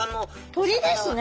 鶏ですね。